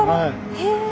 へえ。